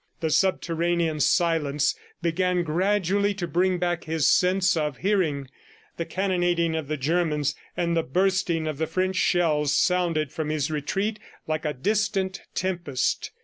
The subterranean silence began gradually to bring back his sense of hearing. The cannonading of the Germans and the bursting of the French shells sounded from his retreat like a distant tempest.